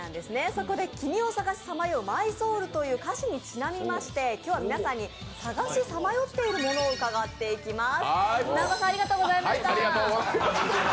そこで「君を探し彷徨うｍｙｓｏｕｌ」という歌詞にちなみまして、今日は皆さんに探し彷徨っているものを伺っていきます。